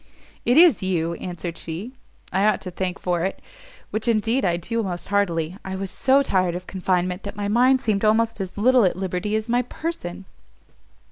"It is you," answered she, "I ought to thank for it, which indeed I do most heartily. I was so tired of confinement, that my mind seemed almost as little at liberty as my person."